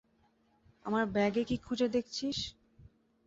আমার ব্যাগে খুঁজে দেখেছিস?